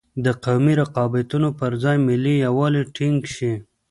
د قومي رقابتونو پر ځای ملي یوالی ټینګ شي.